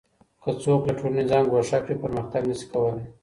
که څوک له ټولني ځان ګوښه کړي پرمختګ نه سي کولای.